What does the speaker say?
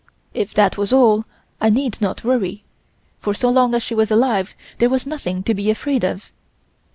If that was all, I need not worry, for so long as she was alive there was nothing to be afraid of.